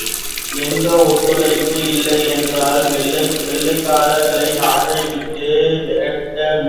எங்க ஒத்துழைப்பு இல்லை என்றால் வெள்ளைக்காரனை நாட்டை விட்டு விரட்ட முடியுமா?